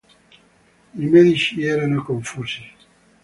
I medici erano confusi.